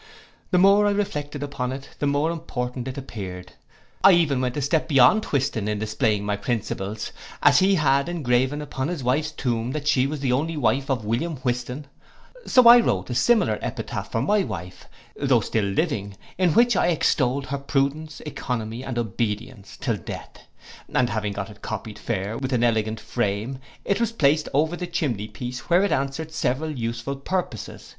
The more I reflected upon it, the more important it appeared. I even went a step beyond Whiston in displaying my principles: as he had engraven upon his wife's tomb that she was the only wife of William Whiston; so I wrote a similar epitaph for my wife, though still living, in which I extolled her prudence, oeconomy, and obedience till death; and having got it copied fair, with an elegant frame, it was placed over the chimney piece, where it answered several very useful purposes.